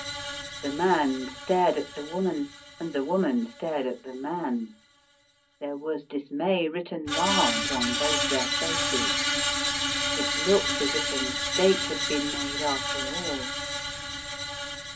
9 The man stared at the woman and the woman stared at the man. There was dismay written large on both their faces. It looked as if a mistake had been made after all.